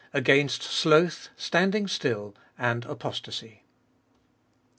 Against Sloth, Standing Still, and Apostasy.